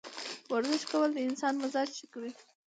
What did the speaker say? ورزش کول د انسان مزاج ښه کوي.